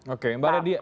oke mbak radia